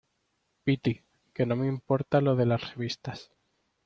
piti, que no me importa lo de las revistas.